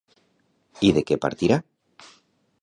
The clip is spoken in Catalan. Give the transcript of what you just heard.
I de què partirà?